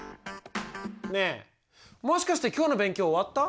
ねえもしかして今日の勉強終わった？